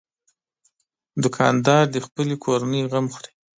دوکاندار د خپلې کورنۍ غم خوري.